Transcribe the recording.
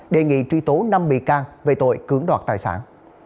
đề nghị truy tố năm bị can về tội cưỡng đoạt tài sản